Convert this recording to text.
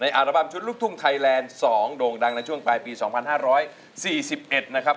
อาราบั้มชุดลูกทุ่งไทยแลนด์๒โด่งดังในช่วงปลายปี๒๕๔๑นะครับ